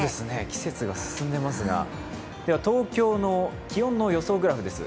季節が進んでますが、東京の気温の予想グラフです。